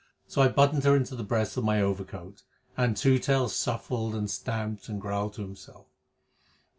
So I buttoned her into the breast of my overcoat, and Two Tails shuffled and stamped and growled to himself.